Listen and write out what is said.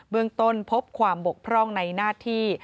เมืองต้นพบความบกพร่องในหน้าที่